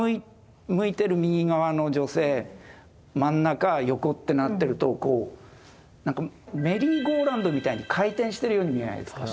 向いてる右側の女性真ん中横ってなってるとメリーゴーラウンドみたいに回転してるように見えないですか？